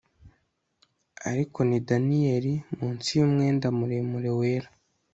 Ariko ni Daniel munsi yumwenda muremure wera